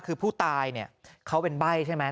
คือผู้ตายเนี่ยเขาเป็นใบ้ใช่ไหม